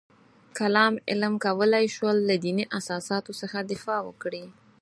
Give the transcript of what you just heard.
کلام علم کولای شول له دیني اساساتو څخه دفاع وکړي.